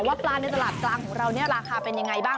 ว่าปลาในตลาดกลางของเราเนี่ยราคาเป็นยังไงบ้าง